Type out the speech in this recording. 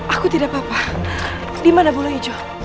aku tidak apa apa dimana bolo hijau